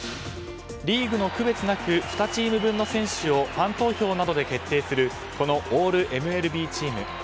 リーグの区別なく２チーム分の選手をファン投票などで決定するこのオールＭＬＢチーム。